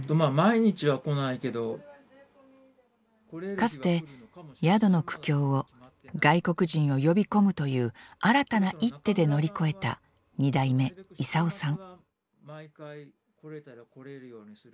かつて宿の苦境を外国人を呼び込むという新たな一手で乗り越えた２代目・功さん。